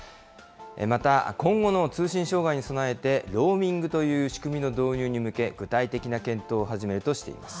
また今後の通信障害に備えて、ローミングという仕組みの導入に向け、具体的な検討を始めるとしています。